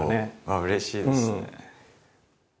あっうれしいですね。